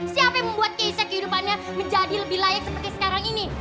siapa yang membuat kisah kehidupannya menjadi lebih layak seperti sekarang ini